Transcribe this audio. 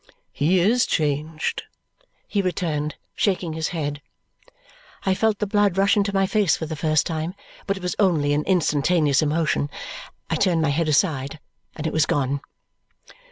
"He is changed," he returned, shaking his head. I felt the blood rush into my face for the first time, but it was only an instantaneous emotion. I turned my head aside, and it was gone.